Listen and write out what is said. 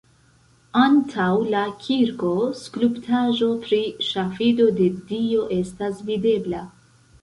Antaŭ la kirko skulptaĵo pri ŝafido de Dio estas videbla.